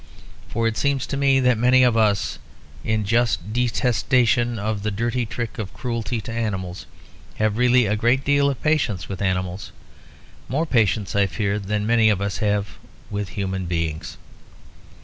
For it seems to me that many of us, in just detestation of the dirty trick of cruelty to animals, have really a great deal of patience with animals; more patience, I fear, than many of us have with human beings.